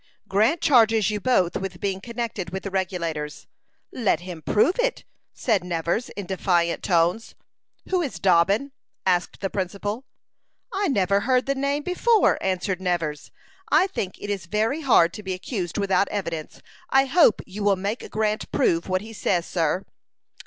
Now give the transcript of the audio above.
"Grant charges you both with being connected with the Regulators." "Let him prove it," said Nevers, in defiant tones. "Who is Dobbin?" asked the principal. "I never heard the name before," answered Nevers. "I think it is very hard to be accused without evidence. I hope you will make Grant prove what he says, sir."